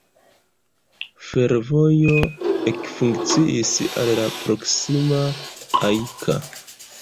Fervojo ekfunkciis al la proksima Ajka.